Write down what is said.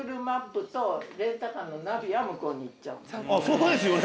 そうですよね。